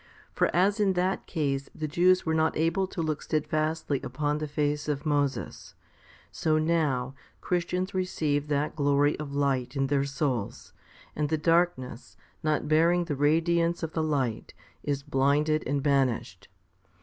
For as in that case the Jews were not able to look steadfastly upon the face of Moses, 1 so now Christians receive that glory of light in their souls, and the darkness, not bearing the radiance of the light, is blinded and ;banished.